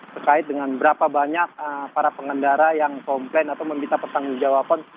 terkait dengan berapa banyak para pengendara yang komplain atau meminta pertanggung jawaban